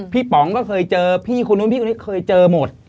พี่ป๋องก็เคยเจอพี่คุณนู้นพี่คุณนู้นเคยเจอหมด